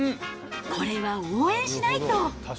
これは応援しないと。